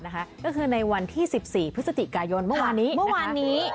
ก็คือในวันที่๑๔พฤศจิกายนเมื่อวานนี้